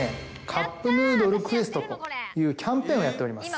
カップヌードルクエストというキャンペーンをやっております。